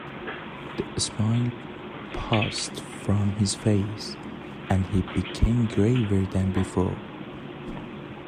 The smile passed from his face, and he became graver than before.